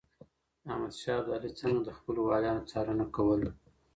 احمد شاه ابدالي څنګه د خپلو واليانو څارنه کوله؟